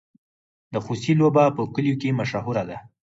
د خوسي لوبه په کلیو کې مشهوره ده.